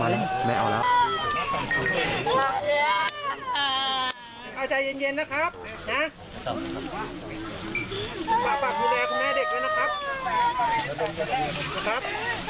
ป่าคุณแม่เจ็บแล้วนะครับ